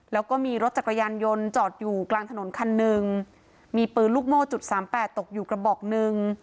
แล้วก็มีรถจักรยานยนต์จอดอยู่กลางถนนคันหนึ่งมีปืนลูกโม่จุดสามแปดตกอยู่กระบอกหนึ่ง